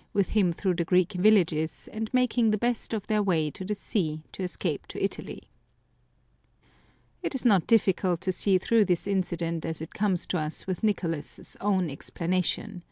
" with him through the Greek villages, and making the best of their way to the sea to escape to Italy. It is not difficult to see through this incident as it comes to us with Nicolas's own explanation.